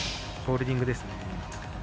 ホールディングですね。